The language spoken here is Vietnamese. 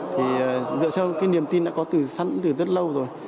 thì dựa cho cái niềm tin đã có sẵn từ rất lâu rồi